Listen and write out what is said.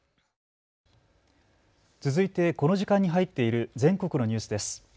続いて、この時間に入っている全国のニュースです。